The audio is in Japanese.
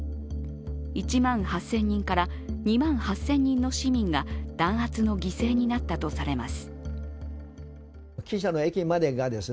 １万８０００人から２万８０００人の市民が弾圧の犠牲になったとされます。